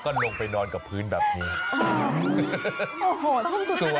โอ้โหโอ้โหโอ้โหโอ้โหโอ้โหโอ้โห